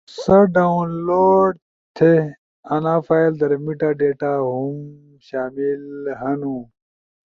اؤ سا ڈاونلوڈ تھی! انا فائل در میٹا ڈیٹا ہُم شامل ہنو